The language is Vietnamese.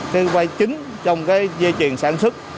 cái quay chính trong cái dây chuyền sản xuất